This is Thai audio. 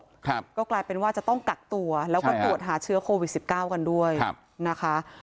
น้ำศพก็กลายเป็นว่าจะต้องกัดตัวแล้วก็ตรวจหาเชื้อโควิด๑๙กันด้วยนะคะ